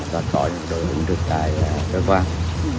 toàn cõi những đội hướng đức tại cơ quan